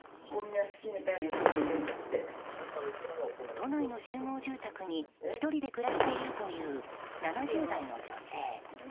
都内の集合住宅に１人で暮らしているという７０代の女性。